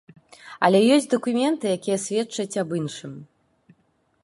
Але ёсць дакументы, якія сведчаць аб іншым.